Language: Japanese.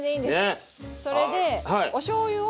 それでおしょうゆを。